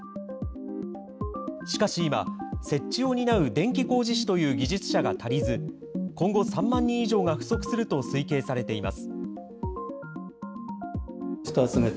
しかし今、設置を担う電気工事士という技術者が足りず、今後３万人以上が不足すると推計されています。